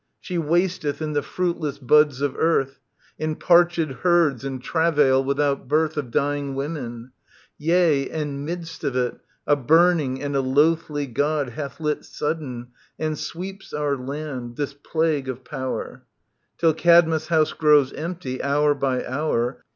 She wasteth in the fruitless buds of earth. In parchW herds and travail without birth Of dying women : yea, and midst of it A burning and a loathly god hath lit Sudden, and sweeps our land, this Plague of power ; Till Cadmus' house grows empty, hour by hour.